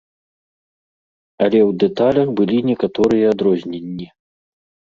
Але ў дэталях былі некаторыя адрозненні.